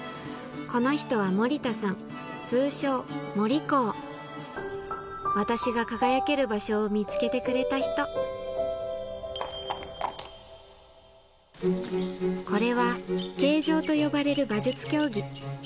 この人は森田さん通称モリコー私が輝ける場所を見つけてくれた人これは軽乗と呼ばれる馬術競技